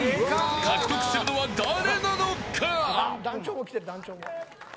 獲得するのは誰なのか。